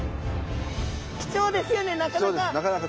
貴重ですよねなかなか。